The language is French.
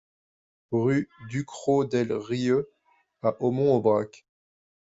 Rue du Cros Del Rieu à Aumont-Aubrac